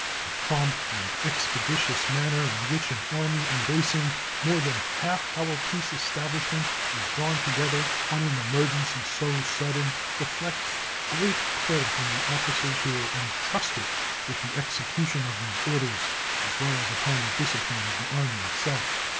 The prompt and expeditious manner in which an army embracing more than half our peace establishment was drawn together on an emergency so sudden reflects great credit on the officers who were intrusted with the execution of these orders, as well as upon the discipline of the Army itself.